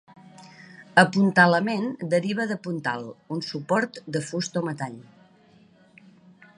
"Apuntalament" deriva de "puntal", un suport de fusta o metall.